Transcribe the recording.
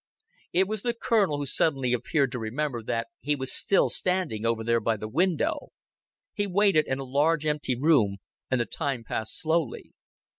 It was the Colonel who suddenly appeared to remember that he was still standing over there by the window. He waited in a large empty room, and the time passed slowly.